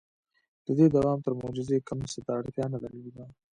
• د دې دوام تر معجزې کم څه ته اړتیا نه درلوده.